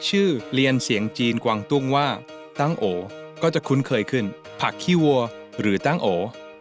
ใช้เวลานานประมาณ๒ชั่วโมงครับ